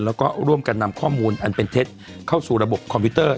แล้วก็ร่วมกันนำข้อมูลอันเป็นเท็จเข้าสู่ระบบคอมพิวเตอร์